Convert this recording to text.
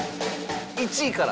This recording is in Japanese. １位から。